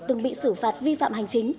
từng bị xử phạt vi phạm hành chính